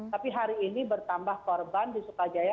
tapi hari ini bertambah korban di sukajaya